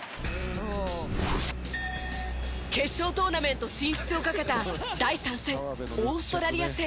決勝トーナメント進出をかけた第３戦、オーストラリア戦。